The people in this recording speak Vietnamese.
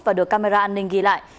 và được camera an ninh ghi lại